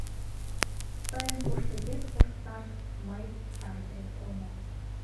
Тыйын поштекет кошташ мый тарзет омыл!